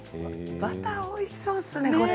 バターがおいしいそうですね。